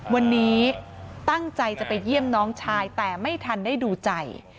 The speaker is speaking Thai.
วันนี้ตั้งใจจะไปเยี่ยมน้องชายแต่ไม่ทันได้ดูใจ